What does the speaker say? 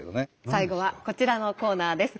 最後はこちらのコーナーです。